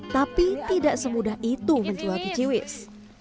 tapi tidak semudah itu menjual kiciwis